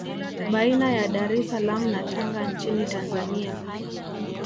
Baina ya Dar es Salaam na Tanga nchini Tanzania